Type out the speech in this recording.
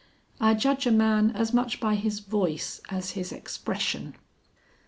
I judge a man as much by his voice as his expression."